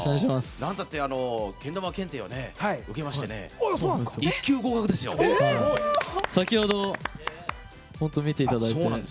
なんたってけん玉検定を受けまして先ほど見ていただいて。